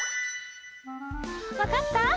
わかった？